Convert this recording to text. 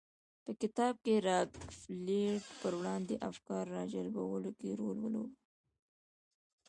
په کتاب کې د راکفیلر پر وړاندې افکار راجلبولو کې رول ولوباوه.